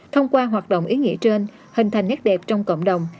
thông qua hoạt động ý nghĩa trên hình thành nét đẹp trong cộng đồng